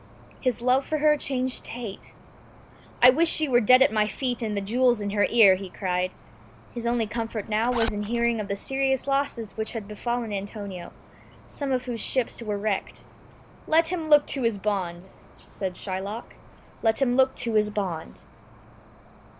His love for her changed to hate. "I would she were dead at my feet and the jewels in her ear," he cried. His only comfort now was in hearing of the serious losses which had befallen Antonio, some of whose ships were wrecked. "Let him look to his bond," said Shylock, "let him look to his bond."